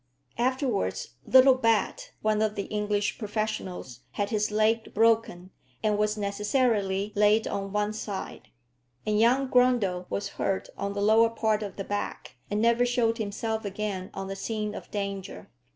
Afterwards Littlebat, one of the English professionals, had his leg broken, and was necessarily laid on one side; and young Grundle was hurt on the lower part of the back, and never showed himself again on the scene of danger.